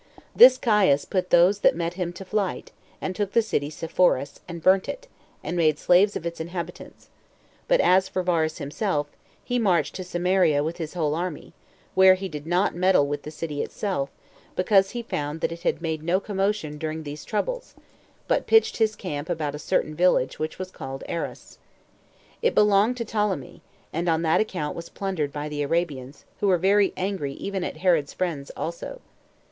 This Caius put those that met him to flight, and took the city Sepphoris, and burnt it, and made slaves of its inhabitants; but as for Varus himself, he marched to Samaria with his whole army, where he did not meddle with the city itself, because he found that it had made no commotion during these troubles, but pitched his camp about a certain village which was called Aras. It belonged to Ptolemy, and on that account was plundered by the Arabians, who were very angry even at Herod's friends also.